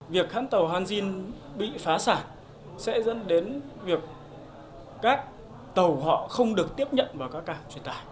việc hãng tàu hanzin bị phá sản sẽ dẫn đến việc các tàu họ không được tiếp nhận vào các cảng truyền tải